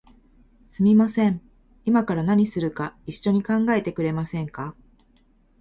すみません、いまから何するか一緒に考えてくれませんか？